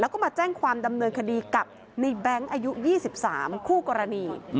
แล้วก็มาแจ้งความดำเนินคดีกับในแบงค์อายุ๒๓คู่กรณี